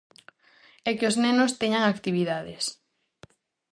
E que os nenos teñan actividades.